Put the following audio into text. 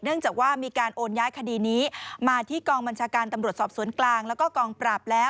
จากว่ามีการโอนย้ายคดีนี้มาที่กองบัญชาการตำรวจสอบสวนกลางแล้วก็กองปราบแล้ว